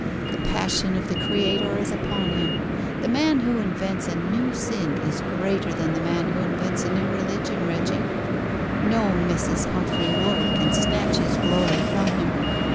The passion of the creator is upon him. The man who invents a new sin is greater than the man who invents a new religion, Reggie. No Mrs. Humphrey Ward can snatch his glory from him.